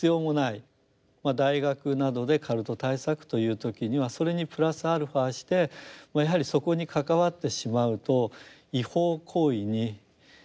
大学などでカルト対策という時にはそれにプラスアルファしてやはりそこに関わってしまうと違法行為に巻き込まれる。